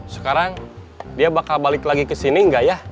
sekarang dia bakal balik lagi kesini gak ya